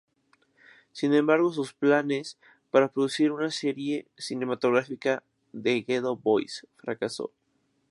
Sin embargo, sus planes para producir una serie cinematográfica, "The Ghetto Boys", fracasó.